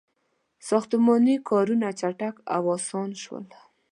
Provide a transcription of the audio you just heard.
• ساختماني کارونه چټک او آسان شول.